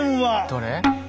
どれ？